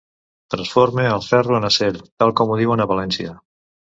Transforme el ferro en acer, tal com ho diuen a València.